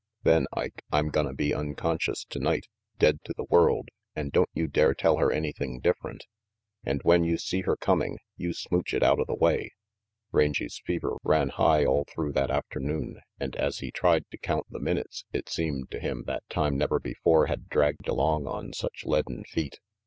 "Then, Ike, I'm gonna be unconscious tonight, dead to the world; and don't you dare tell her any thing different. And when you see her coming, you smooch it outa the way." Rangy's fever ran high all through that afternoon, and as he tried to count the minutes it seemed to him that time never before had dragged along on such leaden feet.